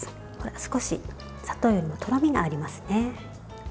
少し砂糖よりとろみがありますね。